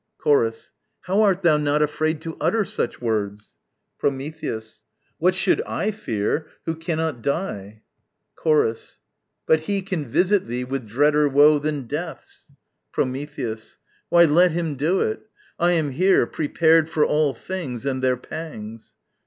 Chorus. How art thou not afraid to utter such words? Prometheus. What should I fear who cannot die? Chorus. But he Can visit thee with dreader woe than death's. Prometheus. Why, let him do it! I am here, prepared For all things and their pangs.